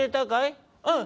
うん！